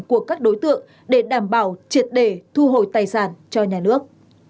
của các đối tượng để đảm bảo triệt để thu hồi tài sản cho nhà nước